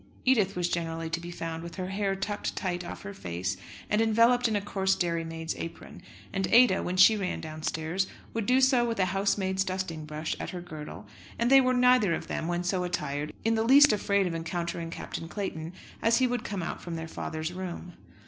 Edith was generally to be found with her hair tucked tight off her face and enveloped in a coarse dairymaid's apron, and Ada, when she ran downstairs, would do so with a housemaid's dusting brush at her girdle, and they were neither of them, when so attired, in the least afraid of encountering Captain Clayton as he would come out from their father's room.